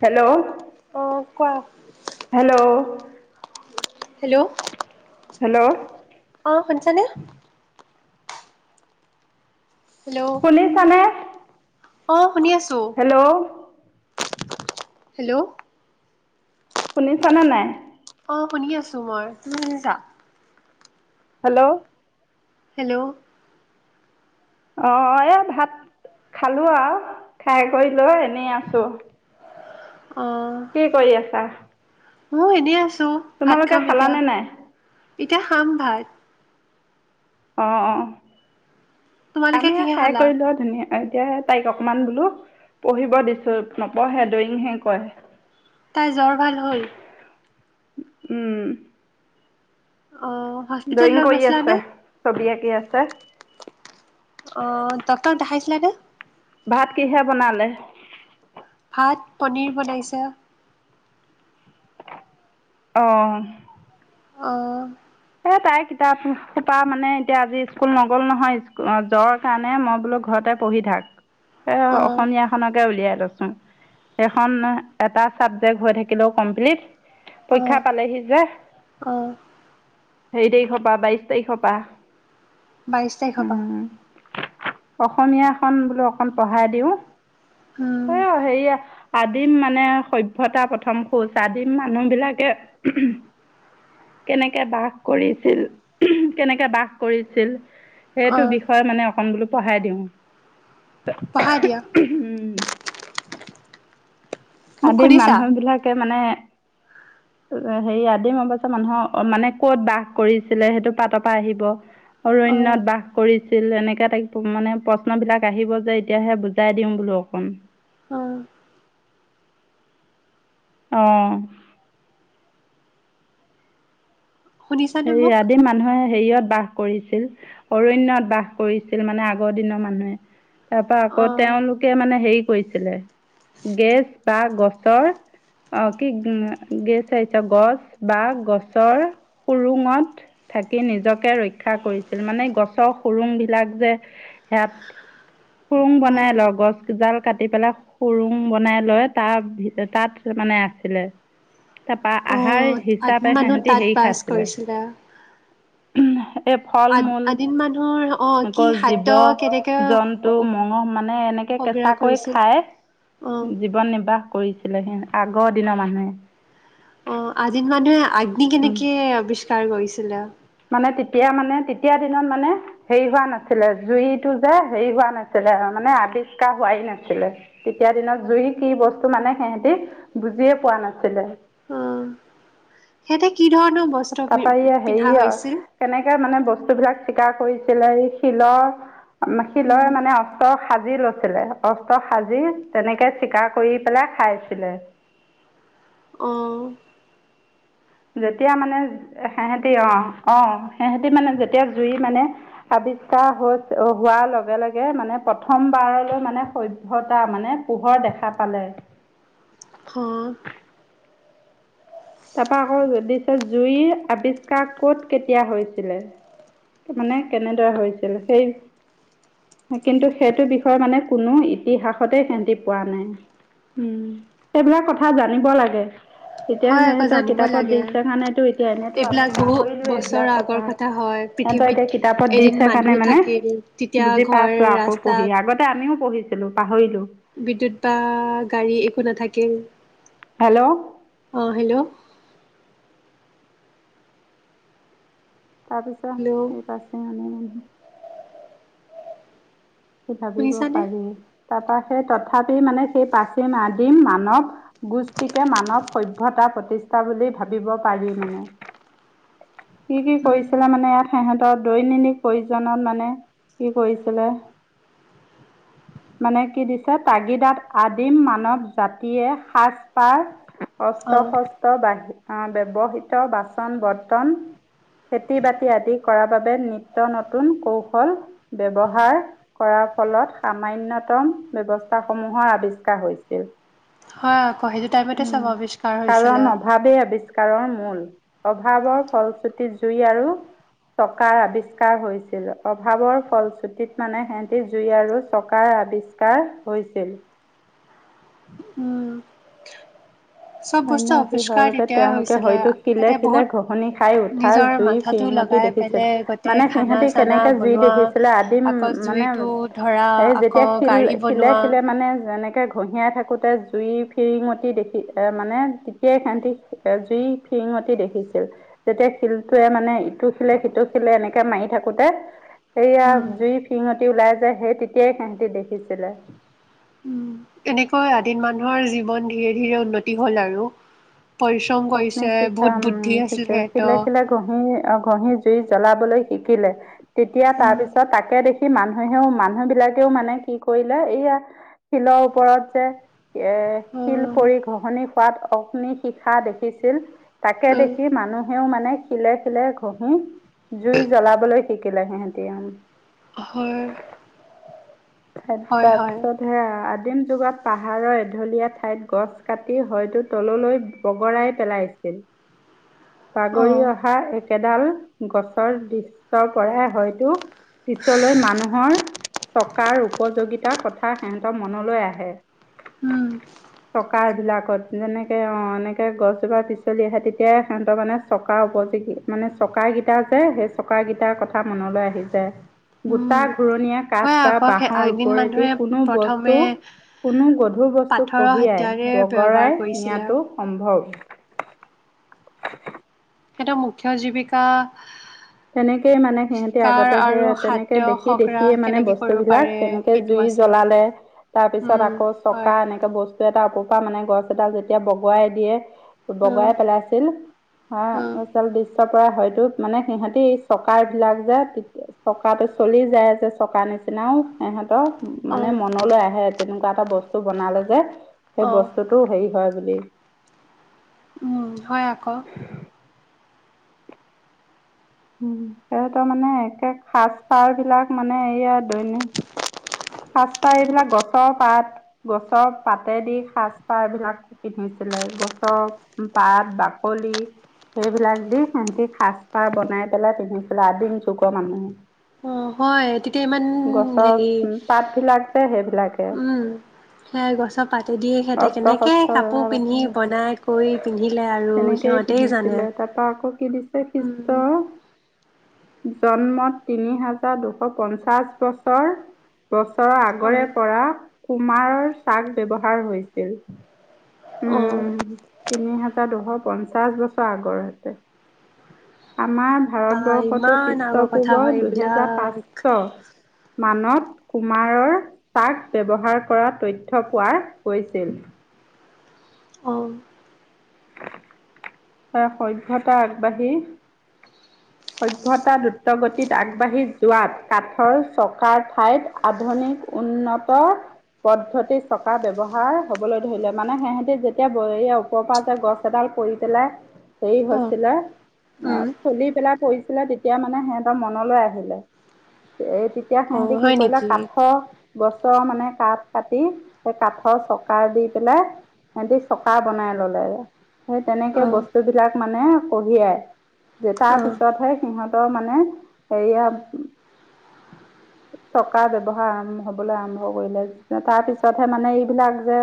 Hello অ কোৱা hello hello hello অ শুনিছানে? হেল্ল' শুনিছানে? অ শুনি আছোঁ। হেল্ল' হেল্ল' শুনিছানা নাই? অ শুনি আছো মই তুমি শুনিছা? হেল্ল' হেল্ল' অ এই ভাত খালোআৱ খাই বৈ লৈ এনেই আছো। অ কি কৰি আছা? মোৰ এনেই আছ তোমালোকে খালানে নাই? এতিয়া খাম ভাত। অঁ অঁ তোমালোকে আমি কিহে খাই খালা? কৰি লৈ ধুনীয়া এতিয়াহে তাইক অকমান বোলো পঢ়িব দিছো নপঢ়ে ডয়িংহে কৰে। তাই জ্বৰ ভাল হ'ল? উম অ হস্পিতেল ড্ৰয়িং লৈ কৰি গৈছিলা নে? আছে ছবি আঁকি আছে অ ডক্টৰক দেখাইছিলা নে? ভাত কিহে বনালে ভাত পনীৰ বনাইছে অৱ অ' তাইৰ কিতাপ সোপা মানে এতিয়া আজি স্কুল নগ'ল নহয়, জ্বৰ কাৰণে মই বোলো ঘৰতে পঢ়ি থাক। এ অ অসমীয়াখনকে উলিয়াই লৈছো। সেখন এটা চাবজেক্ হৈ থাকিলেও কমপ্লিট অ পৰীক্ষা পালেহি যে অ সেই তাৰিখৰ পৰা বাইশ তাৰিখৰ পৰা বাইশ তাৰিখৰ পৰা উম অসমীয়াখন বোলো অকণ পঢ়াই দিওঁ। উম [unintelligible] সেয়া আদিম মানে সভ্যতা প্ৰথম খোজ, আদিম মানুহ বিলাকে কেনেকে কেনেকে বাস কৰিছিল কেনেকে বাস কৰিছিল অ সেইটো বিষয়ে মানে অকন বোলো পঢ়াই দিওঁ। পঢ়া দিয়া উম, মোক আদি শুনিছা? মানুহ বিলাকে মানে, হেৰি, আদিম অৱস্থা মানুহৰ মানে কত বাস কৰিছিলে সেইটো পাতৰ পৰা আহিব। অ অৰণ্যত বাস কৰিছিল, এনেকে টাইপৰ মানে প্ৰশ্ন বিলাক আহিব যে এতিয়াহে বুজাই দিওঁ বোলো অকণ। অ অৱ। শুনিছানে হেৰি, মোক? আদিম মানুহে হেৰিয়ত বাস কৰিছিল, অৰণ্যয়ত বাস কৰিছিল মানে আগৰ দিনৰ মানুহে তাৰ পৰা আকৌ অ', তেওঁলোকে মানে হেৰি কৰিছিলে, গেছ বা গছৰ আহ', কি গেছ আহিছিলে গছ বা গছৰ সুৰুঙত থাকি নিজকে ৰক্ষা কৰিছিল মানে, গছৰ সুৰুং বিলাক যে, ইয়াত সুৰুং বনাই অ', লওঁ গছজাল কাটি পেলাই সুৰুং বনাই লয়। তাৰ তাত মানে আছিলে তাৰপা আহ আহাৰ হিচাপে সিহঁতি হেৰি খায়, ফৈচলা উম', এই ফল মূল, আদিম মানুহৰ অ', কি আকৌ খাদ্য কেনেকে জীৱ-জন্তু মঙহ, মানে এনেকে সগ্ৰাহ কেঁচাকৈ কৰিছিল খাই অ', জীৱন নিৰ্বাহ কৰিছে ছিলে সে আগৰ দিনৰ মানুহ অ', আদিম মানুহে আগ্নি উম কেনেকে আৱিষ্কাৰ ষ্কাৰ কৰিছিলে। মানে তেতিয়া মানে, তেতিয়া দিনত মানে হেৰি হোৱা নাছিলে, জুইটো যে হেৰি হোৱা নাছিলে মানে আৱিষ্কাৰ হোৱাই নাছিলে। তেতিয়া দিনত জুই কি বস্তু মানে সিহতে বুজিয়েই পোৱা নাছিলে। অ', সিহঁতে কি ধৰণৰ বস্তু তাৰপা পিন্ধা হৈছিল? বস্তুবলাক চিকাৰ কৰিছিলে, এই শিলৰ উম, শিলৰ মানে অস্ত্ৰ সাজি লৈ ছিলে । অস্ত্ৰ সাজি তেনেকে চিকাৰ কৰি পেলাই খাইছিলে। অ'। যেতিয়া মানে সেহেতে অ'- অ', সেহেতে মানে যেতিয়া জুই মানে আৱিষ্কাৰ হৈ- হোৱাৰ লগে - লগে মানে প্ৰথমবাৰলৈ মানে সভ্যতা মানে পোহৰ দেখা পালে। অ', তাৰপা আকৌ য- দিছে জুইৰ আৱিষ্কাৰ ক'ত, কেতিয়া হৈছিলে? মানে কেনেদৰে হৈছিল? সেই- কিন্তু সেইটো বিষয়ে মানে কোনো ইতিহাসতে সেন্তি পোৱা নাই। উম, সেইবিলাক কথা জানিব লাগে। এতিয়া সে হয় আকৌ সিহঁতৰ জানিব কিতাপত লাগে। দিছে কাৰণেতো এতিয়া এনেতো আমি এইবিলাক বহু পাহৰিলোঁ বছৰৰ এইবিলাক আগৰ কথা। হয় সিহঁতৰ পৃথিৱীত এতিয়া কিতাপত এদিন দিছে মানুহ কাৰণে মানে থাকিল তেতিয়া বুজি ঘৰ পাইছোঁ আকৌ পঢ়ি ৰাস্তা । আগতে আমিও পঢ়িছিলোঁ পাহৰিলোঁ। বিদ্যুৎ বা গাড়ী একো নাথাকিল। হেল্ল' অ' হেল্ল'? তাৰ পিছত হেল্ল' এই পাছে মানে ম ভাবিব শুনিছানে? পাৰি। তাৰপৰা সেই তথাপি মানে, সেই প্ৰাচীন আদিম মানৱ গোষ্ঠীকে মানৱ সভ্যতা‌ প্ৰতিষ্ঠা বুলি ভাবিব পাৰি মানে। কি কি উম কৰিছিলে? মানে সেহ তো দৈনিনিক প্ৰয়োজনত মানে কি কৰিছিলে? মানে কি দিছে, তাগিদাত আদিম মানৱ জাতিয়ে সাজ-পাৰ অঁ অস্ত্ৰ-শস্ত বাঢ়ি অ', ব্যৱহৃত বাচন-বৰ্তন, খেতি-বাতি আদি কৰাৰ বাবে নিত্য নতুন কৌশল ব্যৱহাৰ কৰাৰ ফলত সামান্যতম ব্যৱস্থাসমূহৰ আৱিষ্কাৰ হৈছিল। হয় আকৌ, সেইটো টাইমতে উম, চব আৱিষ্কাৰ হৈছিলে। কাৰণ অভাৱেই আৱিষ্কাৰৰ মূল । অভাৱৰ ফলশ্ৰুতি জুই আৰু চকাৰ আৱিষ্কাৰ হৈছিল । অভাৱৰ ফলশ্ৰুতিত মানেহে জুই আৰু চকাৰ আৱিষ্কাৰ হৈছিল। উম। চব বস্তু অৰণ্যবাসী আৱিষ্কাৰ হোৱাৰ বাবে তেতিয়াই তেওঁলোকে হৈছিলে হয়তো সিহঁতে শিলে-শিলে বহুত ঘঁহনি খাই উঠাৰ নিজৰ জুই মাথাটো ফিৰিঙতি লগাই দেখিছিল পেলাই । গোটেই মানে খানা সিহঁতি চানা কেনেকে জুই বনোৱা দেখিছিলে আদিম আকৌ মানে, জুইটো ধৰা এই যেতিয়া আকৌ শিল- গাড়ী বনোৱা শিলে-শিলে মানে যেনে কে ঘঁহিয়াই থাকোঁতে জুইৰ ফিৰিঙতি দেখি এ মানে তেতিয়াই সিহঁতি এ- জুইৰ ফিৰিঙতি দেখিছিল । যেতিয়া শিলটোৱে মানে ইটো শিলে - সিটো শিলে এনেকে মাৰি থাকোঁতে, সেয়া উম। জুই ফিৰিঙতি ওলাই যায়, সেই তেতিয়াই সিহঁতি দেখিছিলে। উম এনেকৈ আদিম মানুহৰ জীৱন ধীৰে ধীৰে উন্নতি হ'ল আৰু। পৰিশ্ৰম কৰিছে। অগ্নিশিখা বহুত বুদ্ধি আছিল সিহঁত । অ' ঘঁহি জুই জ্বলাবলৈ শিকিলে। তেতিয়া তাৰ উম। পিছত তাকে দেখি সেই মানুহেহেও- মানুহেবিলাকেও মানে কি কৰিলে, এইয়া শিলৰ ওপৰত যে এ- শিল উম, পৰি ঘঁহনি খোৱাত অগ্নিশিখা দে খিছিল । তাকে উম, দেখি মানুহেও মানে শিলে-শিলে ঘঁহি জুই জ্বলাবলৈ শিকিলে সিহঁতি, উম। হয়, তাৰ- হয়, তাৰ হয়, পিছত সেয়া আদিম যুগত পাহাৰৰ ঢলীয়া ঠাইত গছ কাটি হয়তো তললৈ বগৰাই পেলাইছিল । বাগৰি অ', অহা একেডাল গছৰ দৃশ্যৰ পৰাই হয়তো পিছলৈ মানুহৰ চকাৰ উপযোগিতাৰ কথা সেহঁতৰ মনলৈ আহে। উম, চকাৰ বিলাকত যেনেকে অ', এনেকে গছজোপা পিছলি আহে, তেতিয়াই সিহঁতৰ মানে চকাৰ উপযোগী, মানে চকাৰ কিটা যে, সেই চকা কিটাৰ কথা মনলৈ আহি যায় । গোটা উম। ঘুৰণীয়া হয় কাঠ আকৌ সেই বাঁহৰ আগদিন ওপৰেদি মানুহে কোনো বস্তু, প্ৰথমে কোনো গধুৰ বস্তু পাথৰৰ কঢ়িয়াই হাতিয়াৰে ব্যৱহাৰ বগৰাই কৰিছিলে। নিয়াটো সম্ভৱ। [unintelligible] সেইটো মুখ্য জীৱিকা তেনেকেই মানে সিহতি চিকাৰ আগতে সে আৰু তেনেকে খাদ্য দেখি সংগ্ৰাহ দেখিয়ে মানে কেনেকে বস্তু কৰিব বিলাক পাৰে তেনেকে সেইটো জুই আছিল। জ্বলালে তাৰ পিছত উম, আকৌ চকা হয়, এনেকে বস্তু এটা উপ মানে গছ এডাল যেতিয়া বগুৱাই দিয়ে উম, বগুৱাই পেলাইছিল উম, হাল পৰা হয়তো মানে সিহঁতি চকাৰ বিলাক যে চকাটো চলি যায় যে চকাৰ নিচিনাও সিহতে অ', মানে মনলৈ আহে তেনেকুৱা এটা বস্তু বনালে যে সেই অ', বস্তুতটোও হেৰি হয় আবলৈ উম, হয় আকৌ। উ সিহতৰ মানে একে সাজ পাৰ বিলাক মানে এইয়া দৈনিক সাজপাৰ এইবিলাক গছৰ পাত গছৰ পাতে দি সাজপাৰবিলাক পিন্ধিছিলে গছৰ পাত বাকলি সেইবিলাক দি সিহতি সাজপাৰ বনাই পেলাই পিন্ধিছিলে আদিম যুগৰ মানুহে অ হয় তেতিয়া ইমান গছৰ হেৰি পাতবিলাক যে সেইবিলাকে উম সেইয়াই গছৰ পাতে দিয়ে সিহঁতে অস্ত্ৰ কেনেকে শস্ত্ৰ কাপোৰ ব্যৱহাৰ পিন্ধি আছিলে বনাই কৰি পিন্ধিলে আৰু তেনেকেই সিহঁতে জানে পিন্ধিছিলে তাৰপা আকৌ কি দিছে উম খ্ৰীষ্টৰ জন্মত তিনি হাজাৰ দুশ পঞ্চাশ বছৰ বছৰৰ আগৰে অ', পৰা কুমাৰৰ চাত ব্যৱহাৰ হাৰ হৈছিল অ', উম তিনি হাজাৰ দুশ পঞ্চাশ বছৰ আগতে আমাৰ বা ভাৰতবৰ্ষটো ইমান আগৰ কথা খ্ৰীষ্টপূৰ্বৰ হয় দুহেজাৰ এইবিলাক। পাঁচশ মানত কুমাৰৰ চাত ব্যৱহাৰ কৰা তথ্য পোৱাৰ গৈছিল অম সভ্যতা আগবাঢ়ি সভ্যতা দ্ৰুত গতিত আগবাঢ়ি যোৱাত কাঠৰ চকাৰ ঠাইত আধুনিক উন্নত পদ্ধতি চকা ব্যৱহাৰ হবলৈ ধৰিলে মানে সিহঁতি যেতিয়া ব ওপৰৰ পৰা যে গছ এডাল কৰি পেলাই হেৰি অ', হৈছিলে উম, চলি পেলাই কৰিছিলে তেতিয়া মানে সিহঁতৰ মনলৈ আহিলে এই তেতিয়া অ', সিহঁতে কি হয় কৰিলে নেকি? কাঠৰ গছৰ মানে কাঠ কাটি সেই কাঠৰ চকাৰ দি পেলাই সিহতি চকা বনাই ললে সেই তেনেকে অ', বস্তু বিলাক মানে কঢ়িয়াই যে তাৰ অ', পিছত পিছতহে সিহঁতৰ মানে হেৰিয়া চকাৰ ব্যৱহাৰ আৰম্ভ হ'বলৈ আৰম্ভ কৰিলে তাৰ পিছতহে মানে এইবিলাক যে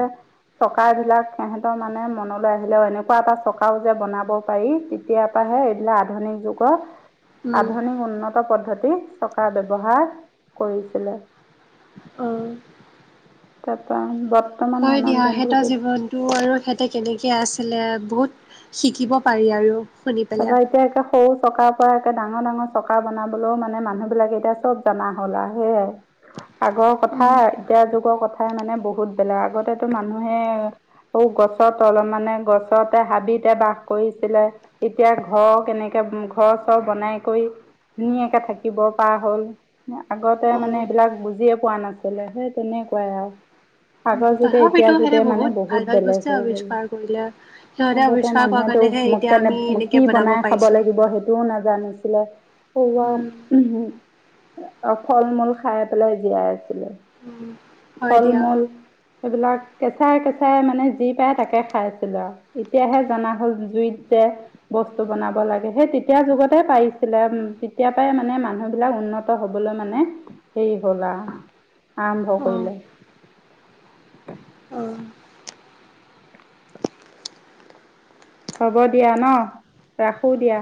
চকা এইবিলাক সিহঁতৰ মানে মনলৈ আহিলে এনেকুৱা এটা চকাও যে বনাব পাৰি তেতিয়াৰ পৰাাহে এইবিলাক আধুনিক যুগত উম, আধুনিক উন্নত পদ্ধতি চকা ব্যৱহাৰ কৰিছিলে আহ তাৰপৰা হয় দিয়া সিহঁতৰ জীৱনতটো আৰু সিহঁতে কেনেকে আছিলে বহুত শিকিব পাৰি আৰু শুনি পেলাই, তাৰপৰা এতিয়া সৰু চকাৰ পৰা একে ডাঙৰ ডাঙৰ চকা বনাবলৈও মানে মানুহ বিলাকে এতিয়া চব জনা হ'ল আৰু সেয়াই আগৰ কথা উম, এতিয়া যুগৰ কথাই মানে বহুত বেলেগ আগতেতো মানুহে অ গছৰ তলৰ মানে গছতে হাবিতে বাস কৰিছিলে এতিয়া ঘৰ কেনেকে ঘৰ চৰ বনাই কৰি ধুনীয়াকে থাকিব পৰা হ'ল আগতে মানে অ'। এইবিলাক বুজিয়ে পোৱা নাছিলে সেই তেনেকুৱাই আৰু আগৰ যুগে এতিয়া তথাপিতো সিহঁতে যুগে মানে বহুত ভাল ভাল বস্তুৱে বেলেগ হৈ গ'ল অৱিষ্কাৰ কৰিলে সিহঁতে আগতে অৱিষ্কাৰ কৰা মানুহেতো কাৰণেহে ম- এতিয়া কেনে আমি এনে কি বনাই খাব লাগিব সেইটোও নাজানিছিলো আিলা উম, [unintelligible] পোৱা অ ফল মূল খাই পেলাই জীয়াই আছিলে উম, হয় ফল দিয়া মূল সেইবিলাক কেঁচাই কেঁচাই মানে যি পায় তাকে খাই আছিলে আৰু এতিয়াহে জনা হল জুইত যে বস্তু বনাব লাগে সেই তেতিয়া যুগতে পাইছিলে তেতিয়াৰ পৰাই মানে মানুহ বিলাক উন্নত হবলৈ মানে হেৰি হল আৰু আৰম্ভ কৰিলে অ', অ'। হ'ব দিয়া ন ৰাখোঁ দিয়া